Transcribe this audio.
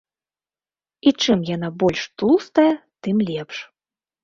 І чым яна больш тлустая, тым лепш.